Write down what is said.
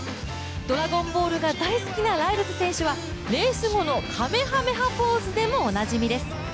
「ドラゴンボール」が大好きなライルズ選手は、レース後のかめはめ波ポーズでもおなじみです